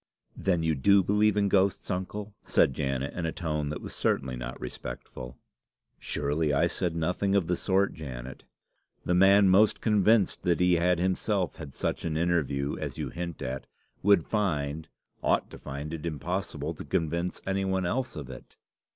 "Then you do believe in ghosts, uncle?" said Janet, in a tone that certainly was not respectful. "Surely I said nothing of the sort, Janet. The man most convinced that he had himself had such an interview as you hint at, would find ought to find it impossible to convince any one else of it."